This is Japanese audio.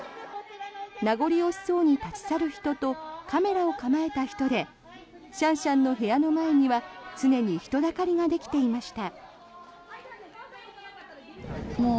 名残惜しそうに立ち去る人とカメラを構えた人でシャンシャンの部屋の前には常に人だかりができていました。